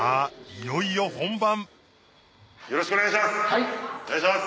いよいよ本番よろしくお願いします！